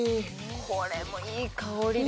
これもいい香りです